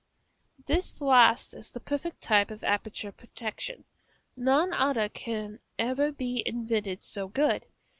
This last is the perfect type of aperture protection. None other can ever be invented so good.